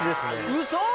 ウソ！